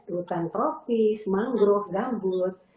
hutan tropis mangrove gambut